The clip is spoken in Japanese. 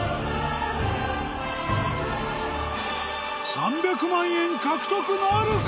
３００万円獲得なるか？